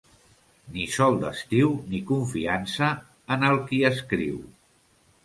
Ni sol d'estiu ni confiança en el qui escriu.